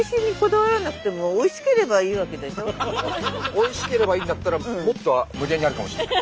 おいしければいいんだったらもっと無限にあるかもしれない。